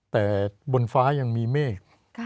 แต่บนฟ้ายังมีเมฆ